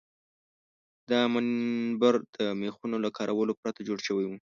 دا منبر د میخونو له کارولو پرته جوړ شوی و.